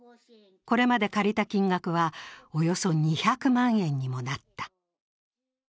これまで借りた金額はおよそ２００万円にもなった。